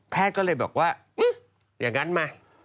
แพทย์ก็เลยแบบว่าอย่างนั้นมา